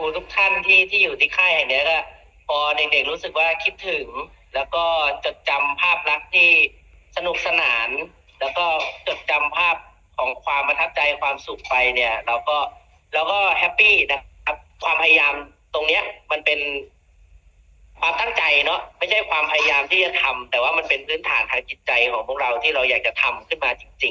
ทุกท่านที่ที่อยู่ที่ค่ายแห่งเนี้ยก็พอเด็กเด็กรู้สึกว่าคิดถึงแล้วก็จดจำภาพลักษณ์ที่สนุกสนานแล้วก็จดจำภาพของความประทับใจความสุขไปเนี่ยเราก็เราก็แฮปปี้นะครับความพยายามตรงเนี้ยมันเป็นความตั้งใจเนอะไม่ใช่ความพยายามที่จะทำแต่ว่ามันเป็นพื้นฐานทางจิตใจของพวกเราที่เราอยากจะทำขึ้นมาจริง